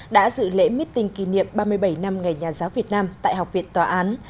đã dự lễ meeting kỷ niệm ba mươi bảy năm ngày nhà giáo việt nam tại học viện tòa án